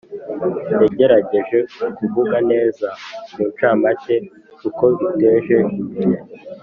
Yagerageje kuvuga neza muncamake uko biteje imbere